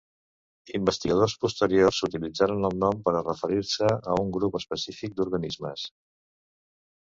Investigadors posteriors utilitzaren el nom per a referir-se a un grup específic d'organismes.